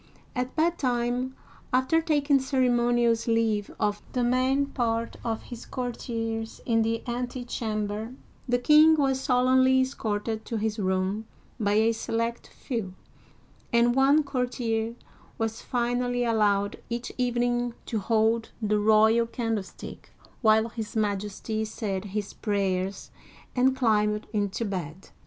At bedtime, after taking ceremonious leave of the main part of his courtiers in the antechamber, the king was solemnly escorted to his room by a select few ; and one courtier was finally allowed each evening to hold the royal candlestick while his Majesty said his prayers and climbed into bed!